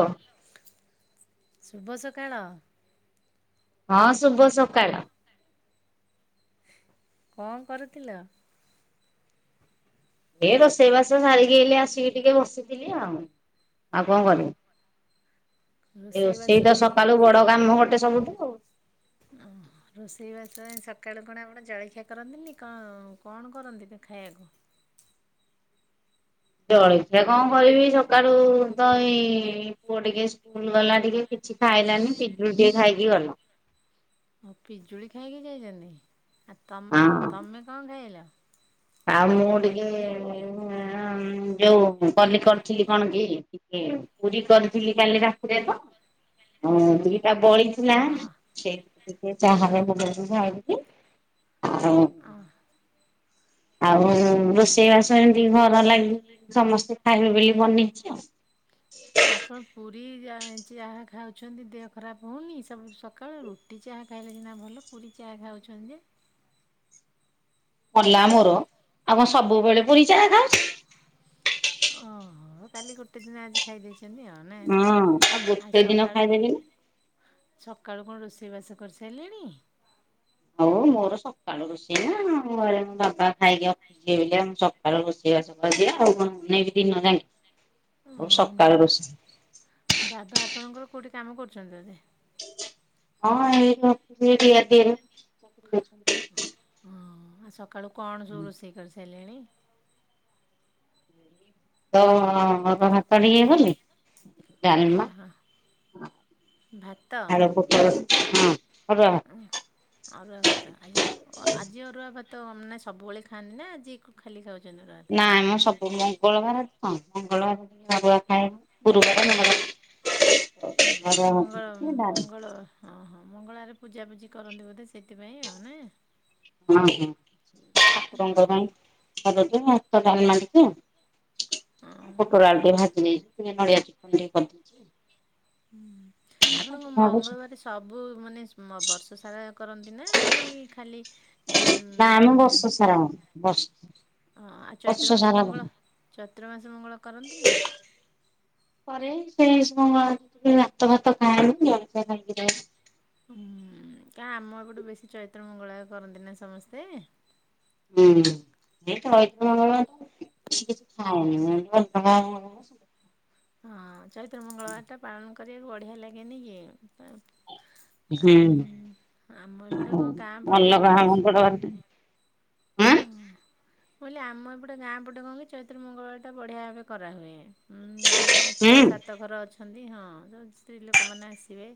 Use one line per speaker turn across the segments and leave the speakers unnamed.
ହଁ [unintelligible]
ଶୁଭ ସକାଳ।
ହଁ ଶୁଭ ସକାଳ।
କଅଁ କରୁଥିଲ?
ଏ ରୋଷେଇବାସ ସାରିକି ହେଲି ଆସିକି ଟିକେ ବସିଥିଲି ଆଉ ଆଉ କଣ କରିବି? ଏ
ରୋଷେଇବାସ
ରୋଷେଇ ତ ସକାଳୁ ବଡ କାମ ଗୋଟେ ସବୁଠୁ ଆଉ।
ହଁ ହ। ରୋଷେଇବାସ ପାଇଁ ସକାଳୁ କଣ ଆପଣ ଜଳଖିଆ କରନ୍ତିନି କଅଁ କଣ କରନ୍ତି ଖାଇବାକୁ?
ଜଳଖିଆ କଣ କରିବି ସକାଳୁ ତ ଏଇ ପୁଅ ଟିକେ ସ୍କୁଲ ଗଲା ଟିକେ କିଛି ଖାଇଲାନି ପିଜୁଳି ଟିକେ ଖାଇକି ଗଲା।
ହଁ ପିଜୁଳି ଖାଇକି ଯାଇଛନ୍ତି। ଆ ତମେ
ହଁ
ତମେ କଅଁ ଖାଇଲ?
ଆଉ ମୁଁ ଟିକେ ଯୋଉ କଲ୍ଲିକରିଥିଲି କଣ କି? ପୁରୀ କରିଥିଲି କାଲି ରାତିରେ ତ ଦିଟା ବଳି। ଥିଲା
ହଁ
ସେ ମୁଁ
ହଁ
ଚାହାରେ [unintelligible]
ହଁ
ଆଉ ରୋଷେଇବାସ ଏମିତି ଘର ଲାଗି ସମସ୍ତେ ଖାଇବେ ବୋଲି ବନେଇଛି ଆଉ।
[unintelligible] ଆପଣ ପୁରୀ ଯା ଚାହା ଖାଉଛନ୍ତି ଦେହ ଖରାପ ହୋଉନି ସବୁ ସକାଳୁ ରୁକଆପ ଚାହା ଖାଇଲେ ସିନା ଭଲ ପୁରୀ ଚାହା ଖାଉଛନ୍ତି
ମଲା ମୋର ଆଉ କଣ ସବୁବେଳେ ପୁରୀ ଚା ଖାଉଛି?
ହଁ ହଁ କାଲି ଗୋଟେ ଦିନ ଆଜି ଖାଇ ଦେଇେଇଛନ୍ତି ଆଉ। ମାନେ
ହଁ ଆଉ
ଆଜି
ଗୋଟେ ଦିନ
ସକାଳୁ।
ଖାଇଦେବି ନା।
ସକାଳୁ କଣ ରୋଷେଇବାସ କରିସାରିଲେଣି?
ହଉ ମୋର ସକାଳୁ ରୋଷେଇ ନା ମୋ ଘରେ ମୋ ବାବା ଖାଇକି ଅ ସେଇ ଲାନ୍‌ ସକାଳୁ ରୋଷେଇବାସ କରିିଦିଏ, ଆଉ କଣ ନେଇ କି ଦିନ ନାଇଁ।
ନା [unintelligible]
ଆଉ ସକାଳ ରୋଷ
ବାବା ଆପଣଙ୍କର କୋଉଠି କାମ କରୁଚନ୍ତି ବୋଧେ?
ହଁ ଏଇ office D R D O ରେ ଚାକିରି କରୁଛନ୍ତି।
ହଁ ଆଉ ସକାଳୁ କଣ ସବୁ ରୋଷେଇ କରି ସାରିଲେଣି?
ତ ହବା ଭାତରେ ଇଏ କଲେ। ଡାଲମା
ଓହୋ
ଆ
ଭାତ
ଆଳୁ ପୋ ହଁ ଅରୁଆ ଦ୍ଭା
ହୁଁ ଅରୁଆ ଭାତ ଆଜି ଆଜି ଅରୁଆ ଭାତା ନା ସବୁବେଳେ ଖାଆନ୍ତିି ନା ଆଜି ଖାଲି ଖାଉଚନ୍ତି ରାତ୍
ନାଇଁ ମ ସ ମଙ୍ଗଳବାର କଣ ମଙ୍ଗଳବାର ଟିକେ ଅରୁଆ ଖାଏ ନି ଗୁରୁବାର ମଙ୍ଗଳ।
ଓହୋ ମଙ୍ଗଳ ମଙ୍ଗଳ। ହଁ ହଁ ମଙ୍ଗଳାରେ ପୂଜାପୁଜି କରନ୍ତି ବୋଧେ ସେଥିପାଇଁ ଆଉ ନାଇ।
ଓହୋ ଠାକୁରଙ୍କ ପାଇଁ କରାଯାଏ ଭାତ ଡାଲମା ଟିକେ
ଓହୋ ହଁ।
ପୋଟଳ ଆଳୁ ଟିକେ ଭାଜି ନେଇଥାନି ଟିକେ ନଡିଆ ଚଟଣି ଟିକେ କରିଦେଇଛି।
ହୁଁ ଆପଣଙ୍କ ମଙ୍ଗଳବାର ସବୁ ମାନେ ବର୍ଷ ସାରା କରନ୍ତି ନା ଏଇ ଖାଲି ଉଁ।
ଓଷା ର
ଅ ଆଉ ଚୈତ୍ର ମାସ ମଙ୍ଗଳ ଚୈତ୍ର ମାସ ମଙ୍ଗଳ କରନ୍ତିନି?
କରେ ସେଇ ମଙ୍ଗଳବାର କିଛି ବି ଭାତ ଭାତ ଖାଏନି ଜଳଖିଆ ଖାଇକି ରହେ।
ହୁଁ କା ଆମ ଏପଟୁ ବେଶୀ ଚୈତ୍ର ମଙ୍ଗଳା କରନ୍ତି ନା ସମସ୍ତେ।
ହୁଁ ସେ ଚୈତ୍ର ମଙ୍ଗଳବାର କି କିଛି ଖାଏନି [unintelligible]
ହଁ ଚୈତ୍ର ମଙ୍ଗଳବାର ଟା ପାଳନ କରିବାକୁ ବଢିଆ ଲାଗେନି କି। ଉଁ
ହୁଁ।
ଆମ ଏପଟେ କଣ ଗାଁ ପଟେ ଆଠ ଦଶ
ଳ ବାର ଠି
ହୁଁ ମୁଁ କହିଲି ଆମ ଏପଟେ ଗାଁ ପଟେ କଣ କି ଚୈତ୍ର ମଙ୍ଗଳବାର ଟା ବଢିଆ ଭାବେ କରା ହୁଏ। ଉଁ ମାନେ ଛଅ
ଉଁ
ସାତ ଘର ଅଛନ୍ତି ହଁ ସବୁ ସ୍ତ୍ରୀ ଲୋକମାନେ ଆସିବେ।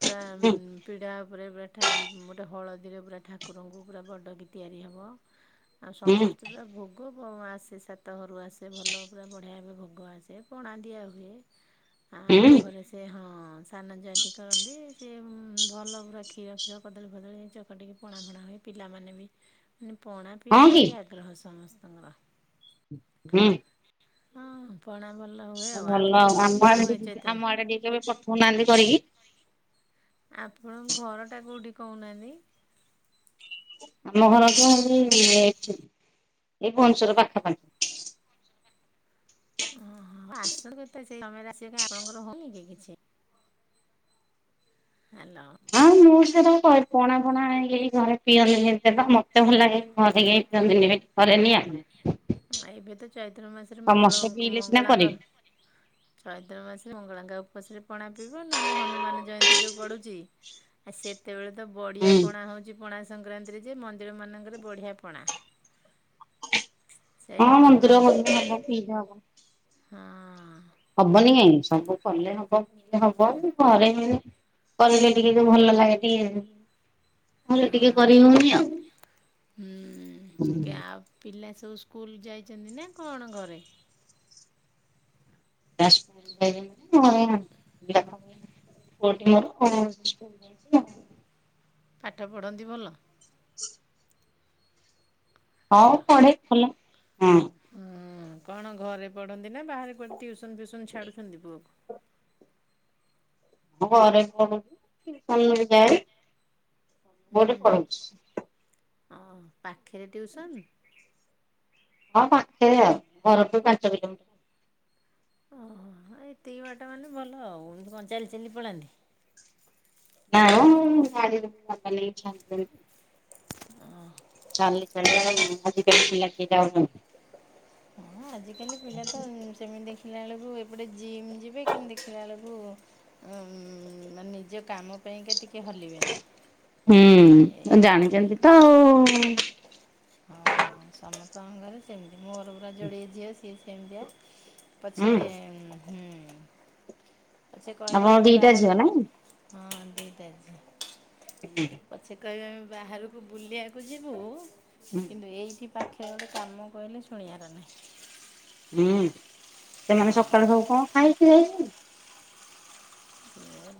ପୁରା ଉଁ। ପିଢ଼ା ଉପରେ ପୁରା ଠା ଗୋଟେ ହଳଦୀରେ ପୁରା ଠାକୁରଙ୍କୁ ପୁରା ବଡ଼କି ତିଆରି ହେବ। ଆଉ
ଉଁ
ସମସ୍ତେ ପୁରା ଭୋ ଭୋଗ ଆସେ ସାତ ଘରୁ ଆସେ ଭଲ ପୁରା ବଢ଼ିଆ ଭାବେ ଭୋଗ ଆସେ ପଣା ଦିଆ ହୁଏ। ଆ ଆମ
ଉଁ
ଘରେ ସେ ହଁ ସାନ ଜା ଟିି କରନ୍ତି ସେ ଉଁ ଭଲ ପୁରା କ୍ଷୀର ପୁରା କଦଳୀ ଫଦଳି ଚ ଚକଟିକି ପଣା ଫଣା ହୁଏ ପିଲାମାନେ ବି। ମାନେ ପଣା
ହଁ
ପିଇବାକୁ
କି?
ଭାରି ଆଗ୍ରହ ସମସ୍ତଙ୍କର।
ହୁଁ।
ହଁ ପଣା ଭଲ ହୁଏ ଆଉ ଆପଣଙ୍କ କେମିତି ସବୁ ହେ ଚୈତ୍ର ମ
[unintelligible] କହୁନାହାନ୍ତି କରିକି।
ଆପଣ ଘରଟା କୋଉଠି କହୁନାହାନ୍ତି?
ଆମ ଘର
ହାଲୋ
ତ ଏଇ ଏଠି ଏଇ ଭୁବନେଶ୍ଵର ପାଖାପାଖି।
ଓହୋ ଆସ ସେଇ ସମୟରେ ଆଶିବ କାହିଁକି ଆପଣଙ୍କର ହଉନି କି କିଛି? ହାଲୋ।
ମୋର ସେଟା କ ପଣା ଫଣା ଆଣିକି କେହି ଘରେ ପିଅନ୍ତିନି ତ ମତେ ଭଲ ଲାଗେ ଘରେ ଇଏ ପିଅନ୍ତିନି ବାକି ଘରେ ନିି ଆ
ହଁ ଏବେ ତ ଚୈତ୍ର ମାସରେ ମଙ୍ଗଳ
ସମସ୍ତେ ପିଇଲେ ସିନା
ମଙ୍ଗଳାଙ୍କ।
କରିବି।
ଚୈତ୍ର ମାସରେ ମଙ୍ଗଳାଙ୍କ ଉପାସରେ ପଣା ପିଇବ ନହେଲେ ହନୁମାନ ଜୟନ୍ତୀ ଯୋଉ ପଡୁଛି। ଆଉ ସେତେବେଳେ ତ ବଢିଆ
ହୁଁ
ପଣା ହଉଛି ପଣା ସଂକ୍ରାନ୍ତିରେ ଯେ ମନ୍ଦିର ମାନଙ୍କରେ ବଢିଆ ପଣା।
ହଁ
ସେଇଟା ପିଉ
ମନ୍ଦିର
ନାହା
ଗଲେ ହବ ପିଇଲେ ହବ।
ହଁ।
ହବନି କାହିଁକି ଏଇ ସବୁ କଲେ ହବ ପ ହବ ଘରେ ହ କହିଲେ ଟିକେ ତ ଭଲ ଲାଗେ ଟିକେ ଘରେ
ହଁ
ଟିକେ କରି ହଉନି ଆଉ।
ହଁ ଟିକେ ଆଉ ପିଲା ସବୁ ସ୍କୁଲ ଯାଇଛନ୍ତି ନା କଣ ଘରେ
ହଁ ଯାଇଛନ୍ତି।
ପାଠ ପଢ଼ନ୍ତି ଭଲ।
ହଁ
ହାଲୋ।
ପଢ଼େ ଭଲ ହଁ।
ହଁ କଣ ଘରେ ପଢ଼ନ୍ତି ନା ବାହାରେ କୁଆଡ଼େ ଟିଉସନ୍ ଫ୍ୟଉସନ୍ ଛାଡୁଛନ୍ତି ପୁଅକୁ।
ହଁ ଘରେ ପଢୁଛି ଟିଉସନ୍ ଯାଏ ଗୋଟେ ଘରେ ପଢୁଛି।
ହଁ ପାଖରେ ଟିଉସନ୍
ହଁ ପାଖରେ ଆଉ ଘରଠୁ ପାଞ୍ଚ କିଲୋମିଟର।
ଓହୋ ଏତିକି ବାଟ ମାନେ ଭଲ ଆଉ ଏମିତି କଣ ଚାଲିି ଚାଲି ପଳାନ୍ତି।
ନା ଗାଡ଼ିରେ ତା ବାପା ନେଇ ଛାଡ଼ନ୍ତି।
ହ
ଚାଲି ଚାଲି ଆଜି କାଲି ପିଲା କିଏ ଯାଉଛନ୍ତି।
ହଁ ଆଜିକାଲି ପିଲା ତ ସେମିତି ଦେଖିଲା ବେଳକୁ ଏପଟେ ଜିମ୍ ଯିବେ କିନ୍ତୁ ଦେଖିଲା ବେଳକୁ ଉ ନିଜ କାମ ପାଇଁକା ଟିକେ ହଲିବେନି।
ହୁଁ
ଏଇ
ଜାଣିଛନ୍ତି ତ ଆଉ।
ହଁ ସମସ୍ତଙ୍କ ଘରେ ସେମିତି ମୋର ପୁରା ଯୋଡ଼ିଏ ଝିଅ ସିଏ ସେମିତିଆ। ପଛେ
ହୁଁ
ହିଁ। [unintelligible] କହିବା
ଆପଣ
ମୁଁ
ଦିଟା ଝିଅ ନାଇଁ
ବାହାରକୁ ହଁ ଦିଇଟା ଝିଅ। ପଛେ କହିବେ ଆମେ ବାହାରକୁ ବୁଲିବାକୁ ଯିବୁ
ହୁଁ
କିନ୍ତୁ ଏଇଠି ପାଖରେ ଗୋଟେ କାମ କହିଲେ ଶୁଣିବାର ନାହିଁ।
ହୁଁ ସେମାନେ
ହଁ
ସକାଳେୁ ସବୁ କଣ ଖାଇକି [unintelligible]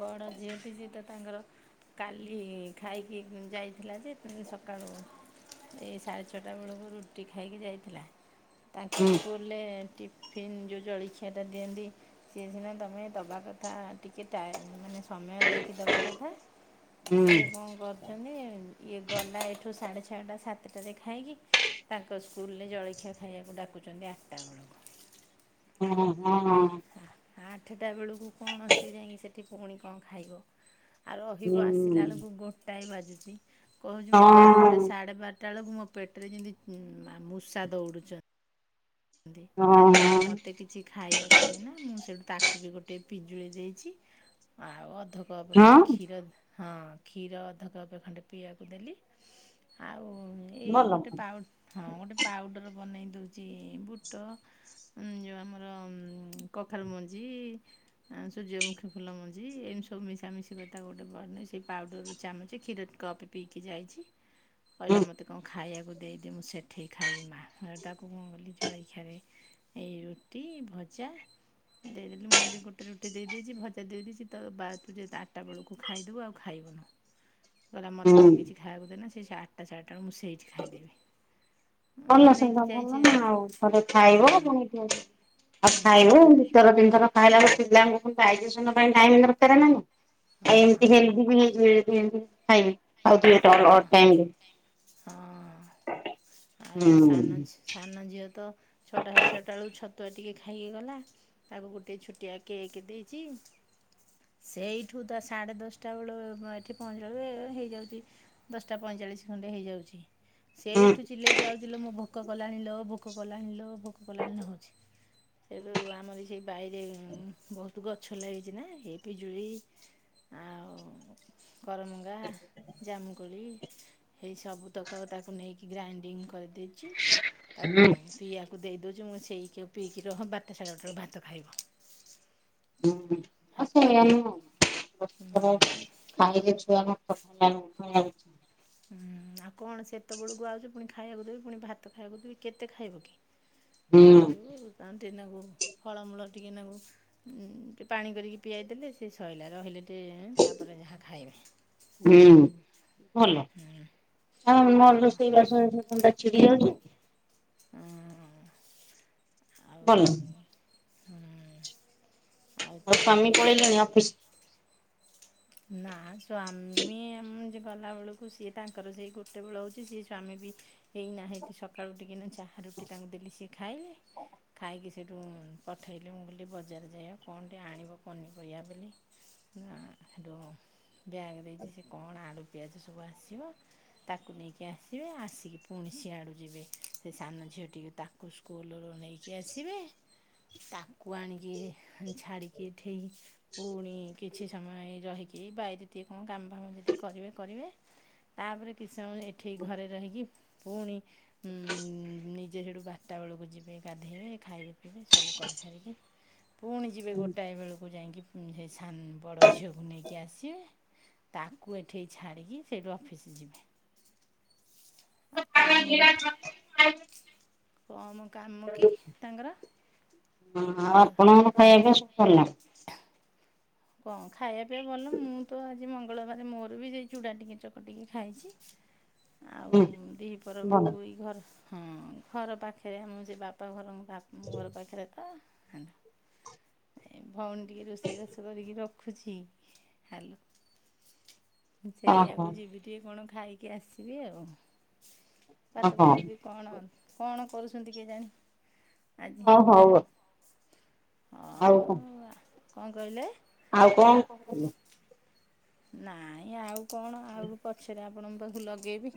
ବଡ଼ ଝିଅଟି ଯେ ତାଙ୍କର କାଲି ଖାଇକି ଯାଇଥିଲା ଯେ ସକାଳୁ ଏଇ ସାଢ଼େ ଛଅଟା ବେଳକୁ ରୁଟି ଖାଇକି ଯାଇଥିଲା, ତାଙ୍କ ସ୍କୁଲ
ହୁଁ
ସ୍କୁଲରେ ଟିଫିନ୍ ଯେଉଁ ଜଳଖିଆଟା ଦିଅନ୍ତି, ସେ ସିନା ତୁମେ ଦବା କଥା। ଟିକେ ଟାଇ ମାନେ ସମୟ ଦେଇକି ଦେବା କଥା,
ହୁଁ
କିଏ କଣ କର ଇଛନ୍ତି ଇଏ ଗଲା ଏଠୁ ସାଢ଼େ ଛଅଟା ସାତଟାରେ ଖାଇକି। ତାଙ୍କ ସ୍କୁଲ୍ ରେ ଜଳଖିଆ ଖାଇବାକୁ ଡାକୁଛନ୍ତି ଆଠଟା ବେଳକୁ।
ହଁ ହଁ।
ଆଠଟା ବେଳକୁ କଣ ସେ ଯାଇକି ସେଠି ପୁଣି କଣ ଖାଇବ? ଆଉ
ହୁଁ।
ରହିବୁ ଆସିଲା ବେଳକୁ ଗୋଟାଏ ବାଜୁଚି କହୁଛି ମଁ
ହଁ
ବାରଟା ସାଢ଼େ ବାରଟା ସେତେବେଳକୁ ମୋ ପେଟରେ ଯେମିତି ମୂଷା ଦୌଡୁଛନ୍ତି। କହନ୍ତି
ହଁ।
କହିଲା ମତେ କିଛି ଖାଇବାକୁ ଦେନା, ମୁଁ ସେଠୁ ତାକୁ ବି ଗୋ ଗୋଟେ ପିଜୁଳି ଦେଇଚି, ଆଉ ଅଧକପ୍
ହଁ।
ଖଣ୍ଡେ କ୍ଷୀର ହଁ କ୍ଷୀର ଅଧ କପ୍ ଏ ଖଣ୍ଡେ ପିଇବାକୁ ଦେଲି। ଆଉ ଏଇ
ଭଲ
ଗୋଟେ
ହୁଁ
ପାଉ ହଁ ଗୋଟେ ପାଉଡ଼ର ବନେଇ ଦୋଉଚି ବୁଟ ଯେଉଁ ଆମର କଖାରୁ ମଞ୍ଜି ଆ ସୂର୍ଯ୍ୟମୁଖୀ ଫୁଲ ମଞ୍ଜି ଏମିତି ସବୁ ମିଶାମିଶି କରି ତାକୁ ଗୋଟେ ବନେଇ ସେଇ ପାଉଡ଼ରରୁ ଚାମଚ କ୍ଷୀର କପେ ପିଇକି ଯାଇଚି। କହିଲା ମତେ କଣ ଖାଇବାକୁ ଦେଇ ଦେ ମୁଁ ସେଠି ଖାଇବି ମା, ତାକୁ କଣ କଲି ଜଳଖିଆରେ। ଏଇ ରୁଟି ଭଜା। ଦେଇଦେଲି ମୁଁ କହିଲି ଗୋଟେ ରୁଟି ଦେଇଚି, ଭଜା ଦେଇଚି ତ ବା ତୁ ଯେ ବାରଟା ବେଳକୁ ଖାଇଦବୁ ଆଉ ଖାଇବୁନୁ। କହିଲା ମତେ
ହୁଁ
ଠିକ ଅଛି ଖାଇବାକୁ ଦେନା, ସେ ଆଠଟା ସାଢ଼େଆଠଟା ମୁଁ ସେଇ
ଭଲ
ନେଇକି
ସଭେ
ଯାଇଛି
ଭଲ ନା ଆଉ। ଘରେ
ହଁ
ଖାଇବ ଫୁଣି ଖାଇବ
ହଁ
ଦି ଥର ତିନି ଥର ଖାଇଲା ବେଳେ ପିଲାଙ୍କୁ ଡାଇଯେସନ ପାଇଁ ଟାଇମ ଦରକାର ନା ନାହିଁ? ଆଉ ଏମିତି
ହଁ
ହେଲଦୀ ବି ହେଇଯିବେ। ଏମିତି ଖାଉଥିବେ ଅଡ୍ ଟାଇମ ରେ।
ହଁ। ଆଉ ଏ
ହୁଁ।
ସାନ ଝି ସାନ ଝିଅ ତ ଛଅଟା ସାଢ଼େ ଛଅଟା ବେଳକୁ ଛତୁଆ ଖାଇକି ଗଲା। ତାକୁ ଗୋଟେ ଛୋଟିଆ କେକ୍ ଦେଇଚି। ସେଇଠୁ ତ ସାଢ଼େ ଦଶଟା ବେଳୁ ଏଠି ପହଞ୍ଚିଲା [unintelligible] ହେଇଯାଉଚି। ଦଶଟା ପଇଁଚାଳିଶ ଖଣ୍ଡେ ହେଇ ଯାଉଚି।
ହୁଁ
ସେଇଠୁ ଚିଲେଇକି ଆଉଚି ଲୋ ଭୋକ କଲାଣି ଲୋ ଭୋକ କଲାଣି ଲୋ ଭୋ ଭୋକ କଲାଣି ଲୋ ହଉଚି ହେଇଠୁ ଅମରି ସେ ବାଇରେ ବୋହୁତ ଗଛ ଲାଗିଚି ନା ଏ ପିଜୁଳି ଆଉ କରମଙ୍ଗା ଜାମୁକୋଳି ଏସବୁତକ ତାକୁ ନେଇକି ଗ୍ରାଇଣ୍ଡ ଗ୍ରାଇଣ୍ଡିଙ୍ଗ କରିଦେଇଚି ତାକୁ ପିଇବାକୁ ଦେଇ ଦୋଉଚି ସେଇ ପିଏକି ରହ, ବାରଟା ସାଢ଼େ ବାରଟା ସାଢ଼େ ବେଳକୁ ଭାତ ଖାଇବୁ। ହଁ
[unintelligible] କାଇଲେ ଛୁଆ [unintelligible]
ହୁଁ ଆଉ କଣ ସେତେବେଳକୁ ଆଉଚି, ପୁଣି ଖାଇବାକୁ ଦେବି, ପୁଣି ଭାତ ଖାଇବାକୁ ଦେବି, କେତେ ଖାଇବ କି? ଦେଇ
ହୁଁ
ଯିବୁ ଟିକେ ନାକୁ ଫଳମୂଳ ଟିକେ ନାକୁ ଟିକେ ପାଣି କରିକି ପିଆଇଦେଲେ ସେ ସଇଲା ରହିଲେ ଟେ ତା ପରେ ଯାହା ଖାଇବେ।
ହୁଁ ଭଲ
ଆଉ
ରୋଷେଇବାସ ଧନ୍ଦା ଛିଡିଯାଉଚି।
ଉଁ।
ଭଲ।
ଆଉ ତ
ମ ସ୍ୱାମୀ
ହଉଛି
ପଳେଇଲେଣି ଅଫିସ୍।
ନା ସ୍ୱାମୀ ଯେ ଗଲା ବେଳକୁ ସିଏ ତାଙ୍କର ସେଇ ଗୋଟେ ବେଳ ହଉଚି ସିଏ ସ୍ୱାମୀ ବି ଏଇନା ହେଇଟି ସକାଳୁ ଟିକେ ନାକୁ ଚାହା ରୁଟି ତାଙ୍କୁ ଦେଲି ସେ ଖାଇଲେ। ଖାଇକି ସେଇଠୁ ପଠେଇଲି ମୁଁ କଇଲି ବଜାର ଯାଇ କଣ ଟିକେ ଆଣିବ ପନିପରିବା ବୋଲି। ନା ହେଟୁ ବ୍ୟାଗ୍ ଦେଇଚି ସେ କଣ ଆଳୁ ପିଆଜ ସବୁ ଆସିବ। ତାକୁ ନେଇକି ଆସିବେ ଆସିକି ପୁଣି ସିଆଡ଼ୁ ଯିବେ ସେ ସାନ ଝିଅଟିିକୁ ତା କୁ ସ୍କୁଲରୁ ନେଇକି ଆସିବେ। ତାକୁ ଆଣିକି ଛାଡ଼ିକି ଏଠି ପୁଣି କିଛି ସମୟ ରହିକି ବାଇରେ ଟିକେ କାମ ଫାମ ଯ ଟିକେ କରିବେ କରିବେ। ତା ପରେ କିଛି ସମୟ ଏଠି ଘରେ ରହିକି ପୁଣି ହୁଁ ନିଜେ ହେଟୁ ବାରଟା ବେଳକୁ ଯିବେ ଗାଧେଇବେ ଖାଇବେ ପିଇବେ ସବୁ କରି ସାରିକି ପୁଣି ଯିବେ ଗୋଟାଏ ବେଳକୁ ଯାଇକି ପୁ ସେ ସାନ ବଡ ଝିଅକୁ ନେଇକି ଆସିବେ ତାକୁ ଏଠି ଛାଡ଼ିକି ସେଇଠୁ ଅଫିସ ଯିବେ। ଆ କମ୍ କମ କାମ କି ତାଙ୍କର।
ହଁ ଆଉ ଆପଣଙ୍କ ଖାଇବା ପିଇବା ସବୁ ସରିଲାଣି।
କଣ ଖାଇବା ପିଇବା ଭଲ ମୁଁ ତ ଆଜି ମଙ୍ଗଳବାର ମୋର ବି ସେଇ ଚୁଡ଼ା ଟିକେ ଚକଟି କି ଖାଇଚି। ଆଉ
ହୁଁ
ଦି ପହର
ଭଲ
ବେଳକୁ ଏଇ ଘର ହଁ ଘର ପାଖରେ ଆମ ସେ ବାପା ଘର ବା ଘର ପାଖରେ ପା ହଁ। ଏ ଭଉଣୀ ଟିକେ ରୋଷେଇବାସ କରିକି ରଖୁଛି ହ୍ୟାଲୋ
ଓହୋ
ସେଇଆକୁ ଯିବି ଟିକଏ କଣ ଖାଇକି ଆସିବି ଆଉ, ଭାତ
ଓହୋ
ଫାତକି କଣ କଣ କରୁଛନ୍ତି କେଜାଣି ଆଜି।
ହଉ ହଉ
ଅଉ ଆ କଣ କହିଲେ।
ଆଉ
ଆ
କଣ କଣ [inaudible]
ନାଇଁ ଆଉ କଣ ଆଉ ପଛରେ ଆପଣଙ୍କ ପାଖକୁ ଲଗେଇବି।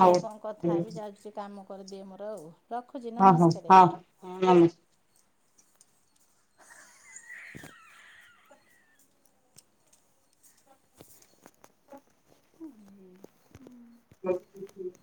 ଆଉ ହଁ
କଣ କଥା ହେବି ଯାଉଚି ଟିକେ କାମ କରିଦିଏ ମୋର ଆଉ। ରଖୁଛି
ହଁ ହଉ
ନମସ୍କାର
ହଁ ହଁ। [unintelligible]